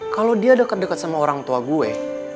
kalau dia deket deket sama orang tua gue